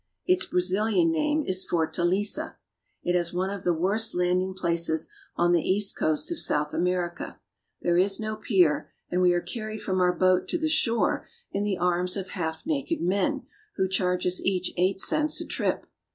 Its Brazilian name is Fortaleza. It has one of the worst landing places on the east coast of South America. There is no pier, anc^ we are carried from our boat to the shore in the arms of half naked men, who charge us each eight cents a trip.